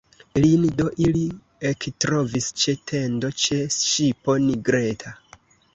Lin do ili ektrovis ĉe tendo, ĉe ŝipo nigreta.